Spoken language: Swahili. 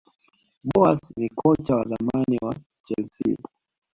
boas ni kocha wa zamani wa chelsea